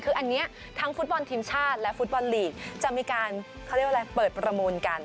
คืออันนี้ทั้งฟุตบอลทีมชาติและฟุตบอลลีกจะมีการเขาเรียกว่าอะไรเปิดประมูลกัน